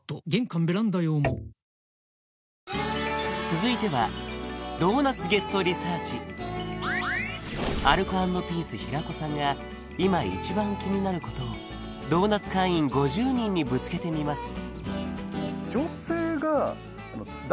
続いてはアルコ＆ピース平子さんが今一番気になることをドーナツ会員５０人にぶつけてみます